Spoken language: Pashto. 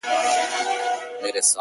په تش دیدن به یې زړه ولي ښه کومه-